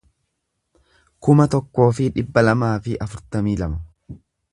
kuma tokkoo fi dhibba lamaa fi afurtamii lama